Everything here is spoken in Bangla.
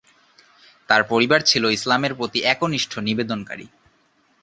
তার পরিবার ছিলো ইসলামের প্রতি একনিষ্ঠ নিবেদনকারী।